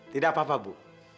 tidak apa apa bu